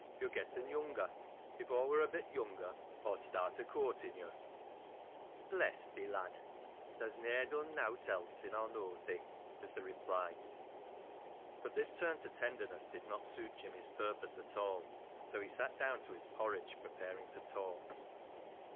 Yo' getten younger. If Aw wor a bit younger, Aw'd start o' courtin' yo'." " Bless thee, lad ! tha's ne'er done nowt else sin' Aw know'd thee," was the reply. But this turn to tenderness did not suit Jimmy's pur pose at all, so he sat down to his porridge, preparing to talk.